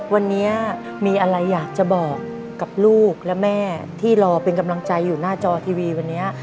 วันนี้มีอะไรอยากจะบอกกับลูกและแม่ที่รอเป็นกำลังใจอยู่หน้าจอทีวีวันนี้